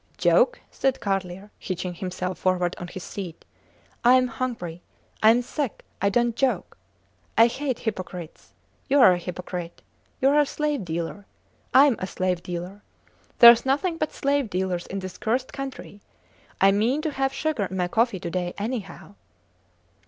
Joke! said Carlier, hitching himself forward on his seat. I am hungry I am sick I dont joke! I hate hypocrites. You are a hypocrite. You are a slave dealer. I am a slave dealer. Theres nothing but slave dealers in this cursed country. I mean to have sugar in my coffee to day, anyhow!